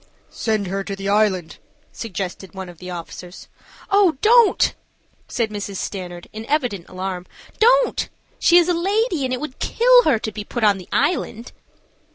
"Send her to the Island," suggested one of the officers. "Oh, don't!" said Mrs. Stanard, in evident alarm. "Don't! She is a lady and it would kill her to be put on the Island."